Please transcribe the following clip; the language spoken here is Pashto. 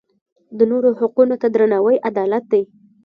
د نورو حقونو ته درناوی عدالت دی.